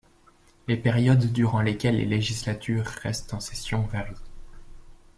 Les périodes durant lesquelles les législatures restent en session varient.